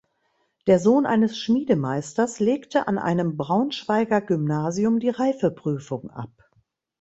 Der Sohn eines Schmiedemeisters legte an einem Braunschweiger Gymnasium die Reifeprüfung ab.